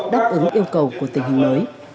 đáp ứng yêu cầu của tỉnh hình mới